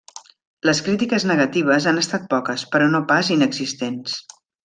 Les crítiques negatives han estat poques, però no pas inexistents.